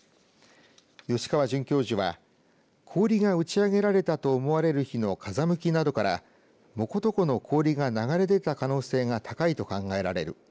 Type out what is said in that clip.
吉川准教授は氷が打ち上げられたと思われる日の風向きなどから藻琴湖の氷が流れ出た可能性が高いと考えられる。